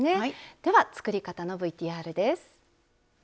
では作り方のＶＴＲです。